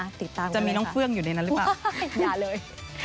ติดตามเลยนะฮะอย่าเลยจะมีน้องเครื่องอยู่ในนั้นหรือเปล่าอย่าเลย